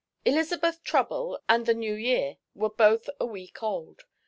Elizabeth's trouble and the New Year were both a week old.